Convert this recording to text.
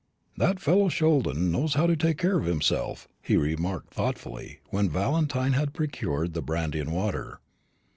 "That fellow Sheldon knows how to take care of himself," he remarked thoughtfully, when Valentine had procured the brandy and water.